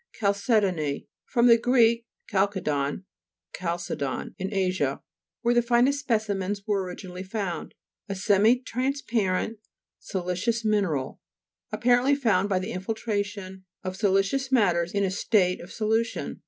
CHALCE'DONY fr. gr. kalkedon, Chalcedon, in Asia, where the finest specimens were originally found. A semi transparent siliceous mineral, apparently found by the infiltration of siliceous matters in a state of solution.